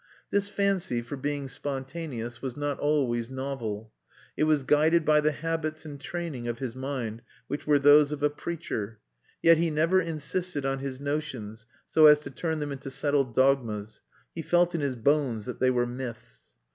This fancy, for being spontaneous, was not always novel; it was guided by the habits and training of his mind, which were those of a preacher. Yet he never insisted on his notions so as to turn them into settled dogmas; he felt in his bones that they were myths.